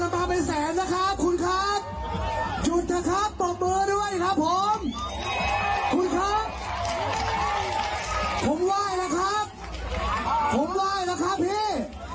ผมไหว้แล้วครับผมไหว้แล้วครับพี่